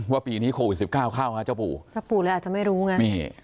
ปีนี้โควิดสิบเก้าเข้าฮะเจ้าปู่เจ้าปู่เลยอาจจะไม่รู้ไงนี่